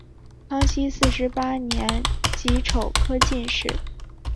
康熙四十八年己丑科进士。